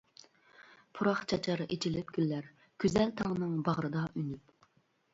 پۇراق چاچار ئېچىلىپ گۈللەر، گۈزەل تاڭنىڭ باغرىدا ئۈنۈپ.